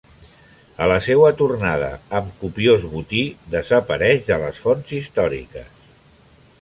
A la seua tornada, amb copiós botí, desapareix de les fonts històriques.